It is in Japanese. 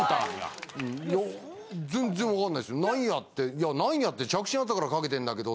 「いや何や？って着信あったからかけてんだけど」